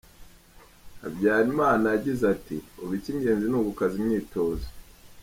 Habyarimana yagize ati" ubu icy’ingenzi ni ugukaza imyitozo.